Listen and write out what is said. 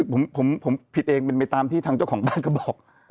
ผมผิดเองเป็นไปตามที่ทางเจ้าของบ้านก็บอก